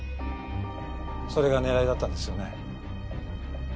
それが狙いだったんですよね？